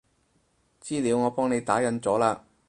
資料我幫你打印咗喇